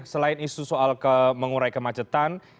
selain isu soal mengurai kemacetan